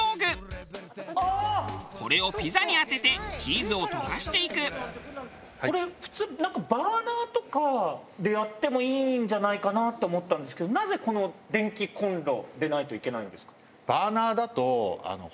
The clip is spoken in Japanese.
これをこれ普通なんかバーナーとかでやってもいいんじゃないかなって思ったんですけどなぜこの電気コンロでないといけないんですか？